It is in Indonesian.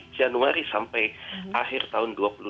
januari sampai akhir tahun